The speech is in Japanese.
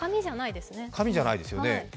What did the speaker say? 紙じゃないですよね。